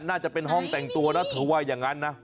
น่าจะเป็นห้องแต่งตัวนะเธอว่าอย่างนั้นนะ